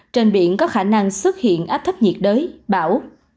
trên biển có khả năng xuất hiện áp thấp nhiệt đới bão